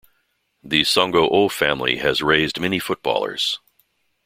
The Songo'o family has raised many footballers.